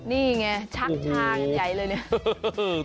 นี่ไงชักชากันใหญ่เลยเนี่ย